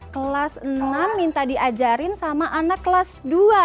kelas enam minta diajarin sama anak kelas dua